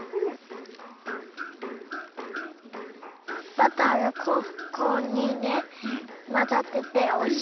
バターがコーンにねまざってておいしい。